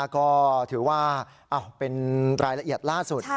ก็ถือว่าเป็นรายละเอียดล่าสุด